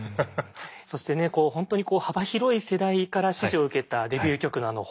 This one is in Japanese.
そしてね本当に幅広い世代から支持を受けたデビュー曲の「ｈｏｍｅ」。